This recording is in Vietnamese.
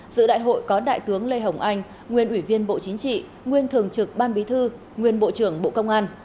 dự đại hội có đại tướng lê hồng anh nguyên ủy viên bộ chính trị nguyên thường trực ban bí thư nguyên bộ trưởng bộ công an